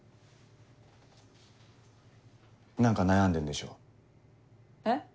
何か悩んでんでしょ？え？